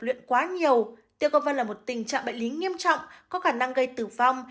luyện quá nhiều tiêu cov là một tình trạng bệnh lý nghiêm trọng có khả năng gây tử vong